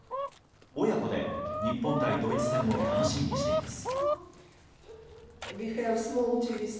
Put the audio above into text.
親子で日本対ドイツ戦を楽しみにしています。